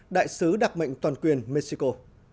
đại sứ đặc mệnh toàn quyền mexico